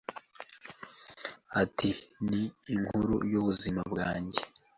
ati “Ni inkuru y’ubuzima bwanjye”.